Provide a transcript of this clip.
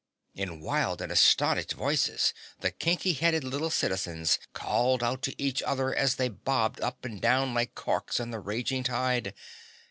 In wild and astonished voices the kinky headed little citizens called out to each other as they bobbed up and down like corks on the raging tide.